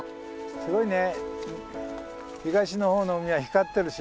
すごいね。